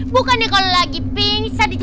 bukan dia kalau lagi pingsan dicempa kat situ